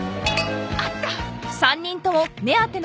あった！